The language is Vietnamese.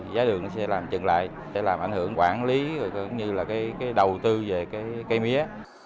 giá đường nó sẽ làm trừng lại sẽ làm ảnh hưởng quản lý cũng như là cái đầu tư về cái mía